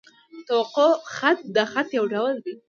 توقع خط؛ د خط یو ډول دﺉ.